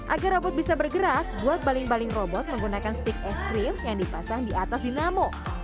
agar robot bisa bergerak buat baling baling robot menggunakan stik es krim yang dipasang di atas dinamo